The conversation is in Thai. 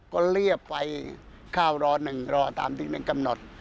ก็เรียบไปข้าวรอหนึ่งรอตามที่หนึ่งกำหนด